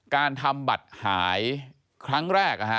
การทำบัตรหายครั้งแรก